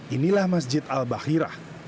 inilah masjid al bakhirah